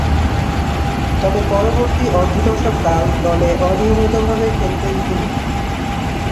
তবে পরবর্তী অর্ধ-দশককাল দলে অনিয়মিতভাবে খেলতেন তিনি।